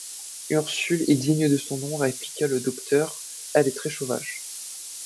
Ursule est digne de son nom, répliqua le docteur, elle est très-sauvage.